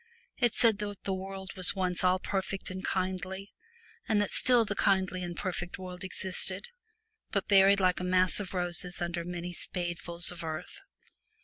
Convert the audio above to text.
It said that the world was once all perfect and kindly, and that still the kindly and perfect world existed, but buried like a mass of roses under many spadefuls of earth.